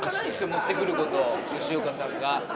持ってくること吉岡さんが。